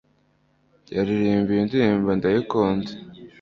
Yaririmba iyi ndirimbo ndayikunda